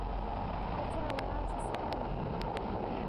他在位二十三年。